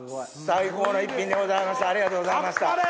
最高な一品でございました。